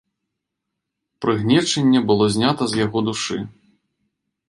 Прыгнечанне было знята з яго душы.